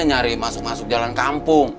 nyari masuk masuk jalan kampung